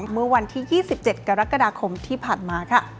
เมื่อวันที่๒๗กรกฎาคมที่ผ่านมาค่ะ